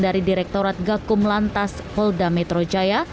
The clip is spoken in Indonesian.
dari direktorat gakum lantas polda metro jaya